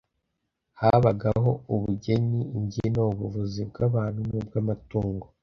Habagaho ubugeni imbyino, ubuvuzi bw'abantu n'ubw'amatungo.